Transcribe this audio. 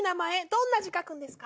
どんな字書くんですか？